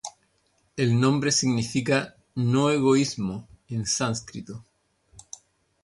El nombre significa "No-Egoismo" en sánscrito.